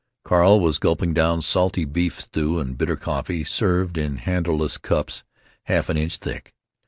Carl was gulping down salty beef stew and bitter coffee served in handleless cups half an inch thick.